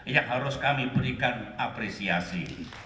yang harus kami berikan apresiasi